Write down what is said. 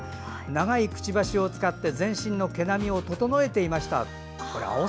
長いくちばしを使って全身の毛並みを整えていました。